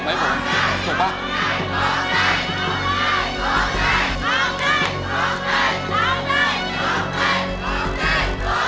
ถูกป่ะร้องได้ร้องได้ร้องได้ร้องได้ร้องได้ร้องได้